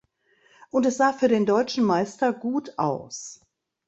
Und es sah für den Deutschen Meister gut aus.